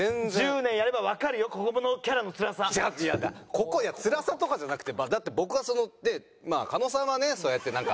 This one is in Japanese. ここいやつらさとかじゃなくてだって僕はそのでまあ狩野さんはねそうやって。